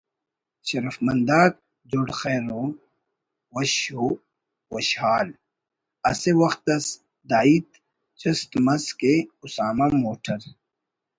شرفمند آک جوڑ خیر وش وشحال: اسہ وخت اس داہیت چست مس کہ اسامہ موٹر